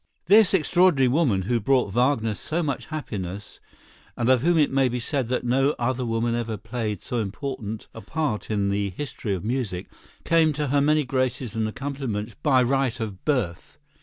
This extraordinary woman, who brought Wagner so much happiness and of whom it may be said that no other woman ever played so important a part in the history of music, came to her many graces and accomplishments by right of birth.